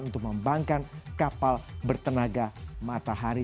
untuk membangkan kapal bertenaga matahari